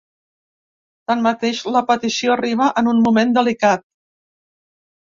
Tanmateix, la petició arriba en un moment delicat.